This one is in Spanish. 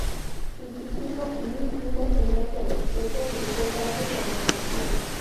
Su título, "Ni", una señal de respeto, le fue dado cuando nació.